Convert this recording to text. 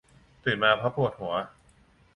ตื่นมาเพราะปวดหัว